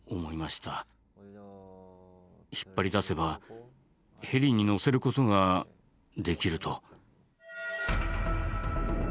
引っ張り出せばヘリに乗せることができると。